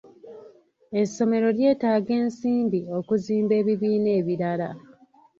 Essomero lyetaaga ensimbi okuzimba ebibiina ebirala.